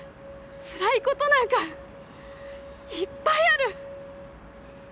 つらいことなんかいっぱいある。